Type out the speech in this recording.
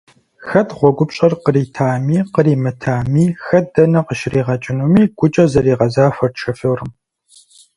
Хэт гъуэгупщӏэр къритами къримытами, хэт дэнэ къыщригъэкӏынуми гукӏэ зэригъэзахуэрт шофёрым.